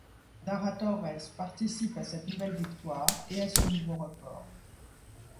Dara Torres participe à cette nouvelle victoire et à ce nouveau record.